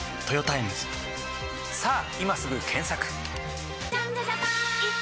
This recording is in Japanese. さぁ今すぐ検索！